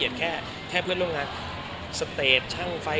กระถิ่นพี่เยอะมากเลยช่วงนี้